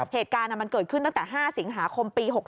เหตุการณ์มันเกิดขึ้นตั้งแต่๕สิงหาคมปี๖๖